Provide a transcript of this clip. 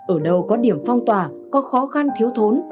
ở đâu có điểm phong tỏa có khó khăn thiếu thốn